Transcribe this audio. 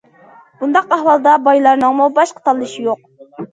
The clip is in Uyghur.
بۇنداق ئەھۋالدا بايلارنىڭمۇ باشقا تاللىشى يوق.